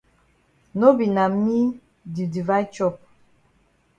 No be na me di divide chop.